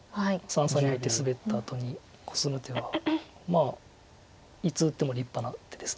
三々に入ってスベったあとにコスむ手はいつ打っても立派な手です。